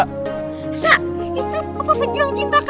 elsa itu pepunjung cinta kamu tuh